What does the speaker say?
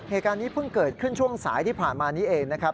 เหตุการณ์นี้เพิ่งเกิดขึ้นช่วงสายที่ผ่านมานี้เองนะครับ